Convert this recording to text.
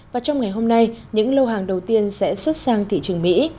và trong ngày hôm nay những lô hàng đầu tiên sẽ xuất sang thị trường mỹ